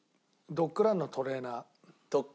ドッグランのトレーナー。